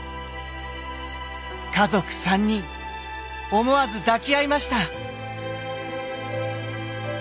家族３人思わず抱き合いました。